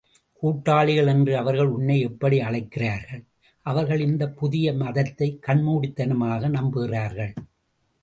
கூட்டாளிகள் என்ற அவர்கள் உன்னை எப்படி அழைக்கிறார்கள்? அவர்கள், இந்தப் புதிய மதத்தை கண்மூடித்தனமாக நம்புகிறார்கள்.